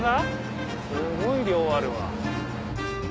すごい量あるわ。